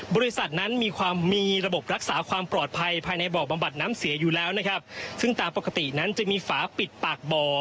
บริษัทนั้นมีความมีระบบรักษาความปลอดภัยภายในบ่อบำบัดน้ำเสียอยู่แล้วนะครับซึ่งตามปกตินั้นจะมีฝาปิดปากบ่อ